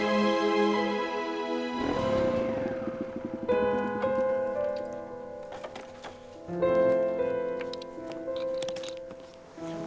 aku akan menang